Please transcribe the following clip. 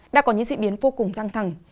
đã có những diễn biến vô cùng căng thẳng